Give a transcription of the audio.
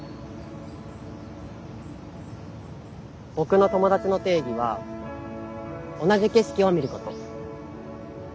ボクの友達の定義は同じ景色を見ること。